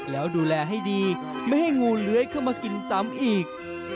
แล้วดูแลให้ดีไม่ให้งูเลื้อยเข้ามากินซ้ำอีก